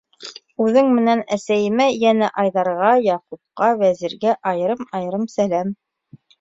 Үҙең менән әсәйемә, йәнә Айҙарға, Яҡупҡа, Вәзиргә айырым-айырым сәләм.